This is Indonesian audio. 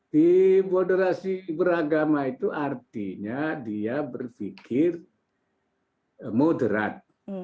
di moderasi beragama itu artinya dia berpikir moderat